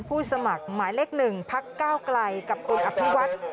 ผู้สมัครหมายเลขหนึ่งพรรคเก้ากลายกับอุตอภิวัฒน์